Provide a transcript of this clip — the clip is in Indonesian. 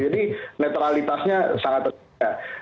jadi netralitasnya sangat tertinggi